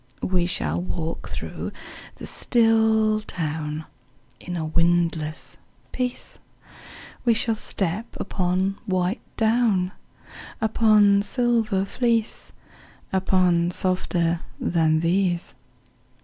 We shall walk through the still town In a windless peace; We shall step upon white down, Upon silver fleece, Upon softer than these.